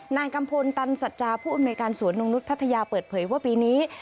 นางกัมพลตันสัจจาผู้อเมริกันสวนนุ้งนุษย์พัทยาเปิดเผยว่าปีนี้